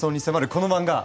この漫画。